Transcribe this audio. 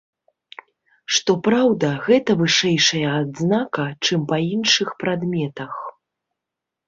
Што праўда, гэта вышэйшая адзнака, чым па іншых прадметах.